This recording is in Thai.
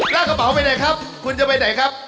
ลากกระเป๋าไปไหนครับคุณจะไปไหนครับ